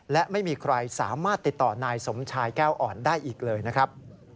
และไม่มีใครสามารถติดต่อนายสมชายแก้วอ่อนได้อีกเลยนะครับ